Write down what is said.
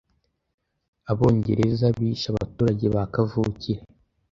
Abongereza bishe abaturage ba kavukire